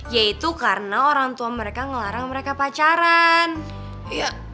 yaitu karena orang tua mereka ngelarang mereka pacaran